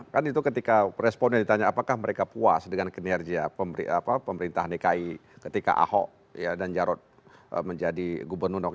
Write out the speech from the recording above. kan itu ketika responnya ditanya apakah mereka puas dengan kinerja pemerintah dki ketika ahok dan jarod menjadi gubernur